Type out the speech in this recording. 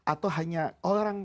atau hanya orang